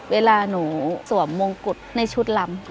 เวลาหนูสวมมงกุฎในชุดลำ